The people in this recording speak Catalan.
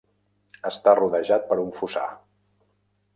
Està rodejat per un fossar.